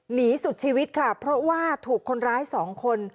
หนีสุดชีวิตค่ะเพราะว่าถูกคนร้ายสองคน